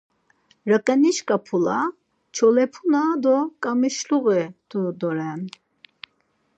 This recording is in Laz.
Raǩaniş ǩap̌ula çolepuna do ǩamişluği t̆u doren.